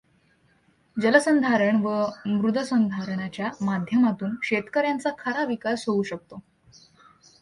जलसंधारण व मृदसंधारणाच्या माध्यमातून शेतकऱ्यांचा खरा विकास होवू शकतो.